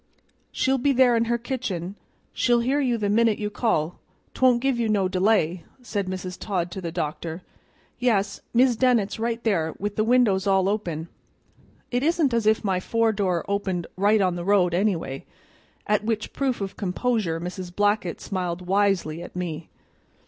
"She'll be there in her kitchen; she'll hear you the minute you call; 'twont give you no delay," said Mrs. Todd to the doctor. "Yes, Mis' Dennett's right there, with the windows all open. It isn't as if my fore door opened right on the road, anyway." At which proof of composure Mrs. Blackett smiled wisely at me.